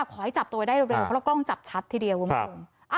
ขอให้จับตัวได้เร็วเพราะต้องจับชัดทีเดียว